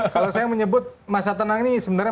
kalau saya menyebut masa tenang ini sebenarnya